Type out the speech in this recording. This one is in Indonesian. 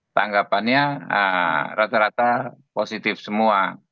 tanggapannya rata rata positif semua